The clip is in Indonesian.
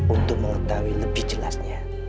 untuk mengetahui lebih jelasnya